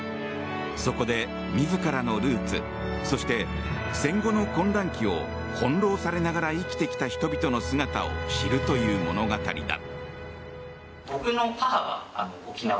そこで自らのルーツそして、戦後の混乱期を翻弄されながら生きてきた人々の姿を知るという物語だ。